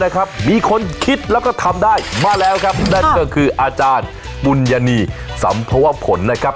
มีคนคิดแล้วก็ทำได้มาแล้วครับนั่นก็คืออาจารย์ปุญญานีสัมภวผลนะครับ